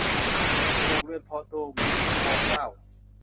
ปลูกเรือนพอตัว หวีหัวพอเกล้า